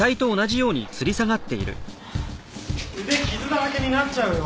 腕傷だらけになっちゃうよ！